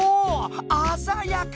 あざやか！